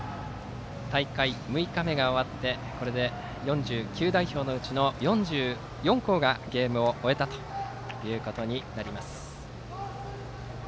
大会６日目が終わってこれで４９代表のうちの４４校がゲームを終えたということになります。